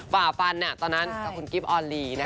ฝ่าฟันตอนนั้นกับคุณกิฟต์ออนลี